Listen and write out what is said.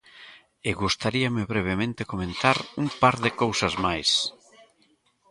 E gustaríame brevemente comentar un par de cousas máis.